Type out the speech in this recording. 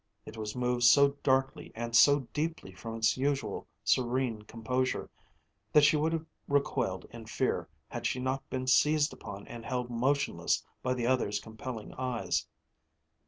It was moved so darkly and so deeply from its usual serene composure that she would have recoiled in fear, had she not been seized upon and held motionless by the other's compelling eyes.